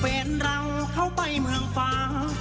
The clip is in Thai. แฟนเราเข้าไปเมืองฟ้า